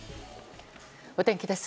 お天気です。